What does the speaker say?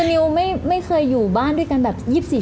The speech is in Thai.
สนิวไม่เคยอยู่บ้านด้วยกันแบบ๒๔ชั่วโมง